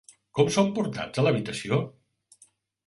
Com són portats a l'habitació?